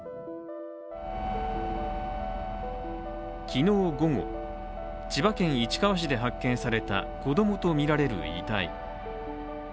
昨日午後、千葉県市川市で発見された子供とみられる遺体。